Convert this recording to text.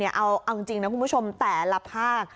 เอาจริงนะคุณผู้ชมแต่ละภาค